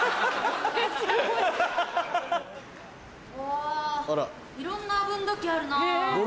うわいろんな分度器あるなぁ。